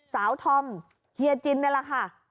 ทอมเฮียจินนี่แหละค่ะ